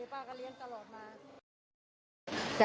ป้าก็เลี้ยงตลอดมา